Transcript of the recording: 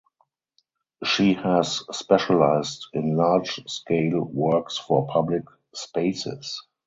She has specialised in large scale works for public spaces.